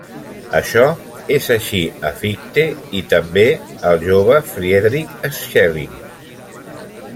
Això és així a Fichte i també al jove Friedrich Schelling.